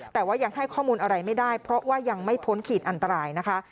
แต่ว่ายังให้ข้อมูลอะไรไม่ได้เพราะว่ายังไม่พ้นขีดอันตรายนะคะ